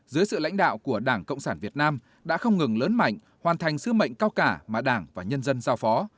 dưới sự lãnh đạo của đảng cộng sản việt nam đã không ngừng lớn mạnh hoàn thành sứ mệnh cao cả mà đảng và nhân dân giao phó